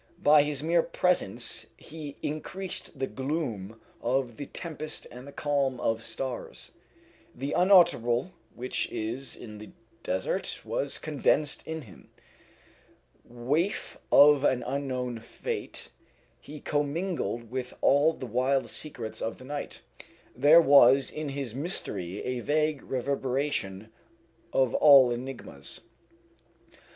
By his mere presence he increased the gloom of the tempest and the calm of stars. The unutterable which is in the desert was condensed in him. Waif of an unknown fate, he commingled with all the wild secrets of the night. There was in his mystery a vague reverberation of all enigmas.